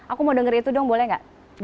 aku mau dengar itu dong boleh nggak